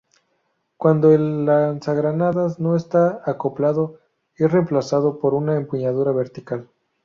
Cuando el lanzagranadas no está acoplado, es reemplazado por una empuñadura vertical.